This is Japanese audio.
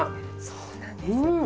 そうなんです。